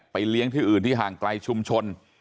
เลี้ยงที่อื่นที่ห่างไกลชุมชน